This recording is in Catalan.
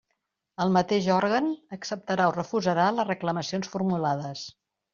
El mateix òrgan acceptarà o refusarà les reclamacions formulades.